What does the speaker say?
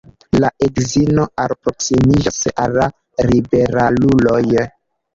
La edzino alproksimiĝis al la liberaluloj.